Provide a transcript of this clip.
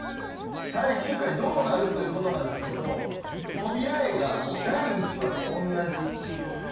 最終回どうなる！？ということなんですけど扉絵が第１話とおんなじ扉絵。